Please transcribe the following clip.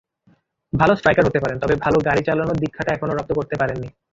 ভালো স্ট্রাইকার হতে পারেন, তবে ভালো গাড়ি চালানোর দীক্ষাটা এখনো রপ্ত করতে পারেননি।